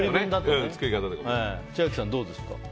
千秋さん、どうですか？